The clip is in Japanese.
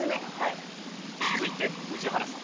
続いて宇治原さん。